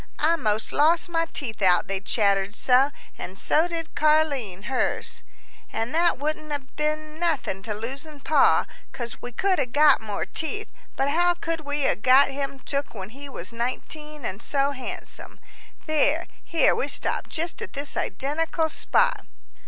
"I most lost my teeth out, they chattered so; and so did Car'line hers. But that wouldn't 'a' been nothin' to losin' Pa, cause we could 'a' got more teeth; but how could we 'a' got him took when he was nineteen and so handsome? There! here we stopped, just at this identical spot!"